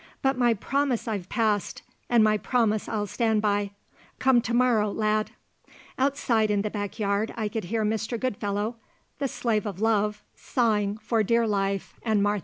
But my promise I've passed, and my promise I'll stand by. Come to morrow, lad." Outside in the back yard I could hear Mr. Goodfellow, the slave of love, sawing for dear life and Martha.